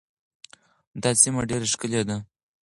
دا سیمه ډېره ښکلې ده.